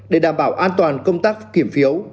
để đảm bảo an toàn công tác kiểm phiếu